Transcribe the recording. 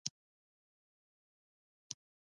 د ځوانانو د شخصي پرمختګ لپاره پکار ده چې اقتصاد زده کړي.